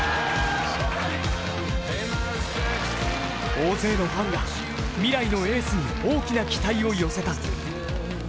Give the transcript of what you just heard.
大勢のファンが未来のエースに大きな期待を寄せた。